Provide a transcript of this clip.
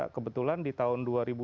kebetulan di tahun dua ribu dua puluh